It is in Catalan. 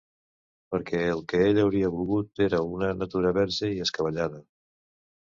Perquè el que ell hauria volgut era una natura verge i escabellada